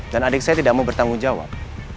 dan adik saya tidak mau bertanggung jawab